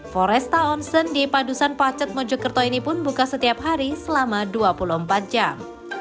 foresta onsen di padusan pacet mojokerto ini pun buka setiap hari selama dua puluh empat jam